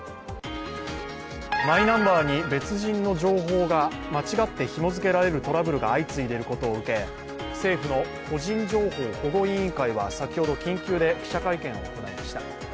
マイナンバーに別人の情報が間違ってひも付けられるトラブルが相次いでいることを受け、政府の個人情報保護委員会は先ほど緊急で記者会見を行いました。